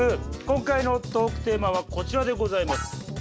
今回のトークテーマはこちらでございます。